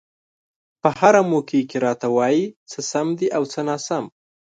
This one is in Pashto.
په هره موقع کې راته وايي څه سم دي او څه ناسم.